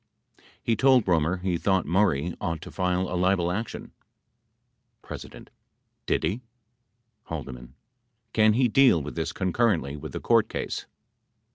He told Roemer he thought Maury ought to file a libel action. P. Did he ? 96 H. Can he deal with this concurrently with the court case